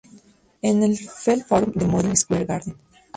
En el Felt Forum del Madison Square Garden.